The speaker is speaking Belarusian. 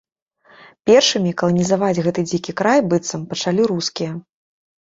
Першымі каланізаваць гэты дзікі край, быццам, пачалі рускія.